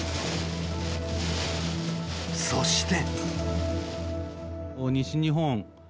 そして。